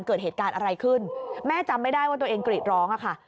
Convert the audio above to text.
เกิดเหตุการณ์อะไรขึ้นแม่จำไม่ได้ว่าตัวเองกรีดร้องอะค่ะ